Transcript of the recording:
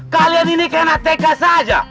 kalian ini kena tk saja